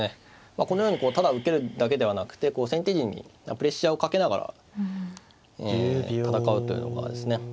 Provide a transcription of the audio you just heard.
このようにただ受けるだけではなくて先手陣にプレッシャーをかけながら戦うというのがですね